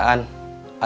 ada tanggung jawab